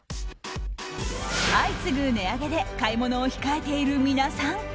相次ぐ値上げで買い物を控えている皆さん。